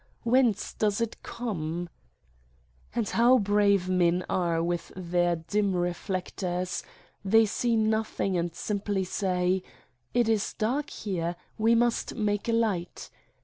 Whence does it come? And how brave men are with their dim reflec tors : they see nothing and simply say : it is dark here, we must make a light!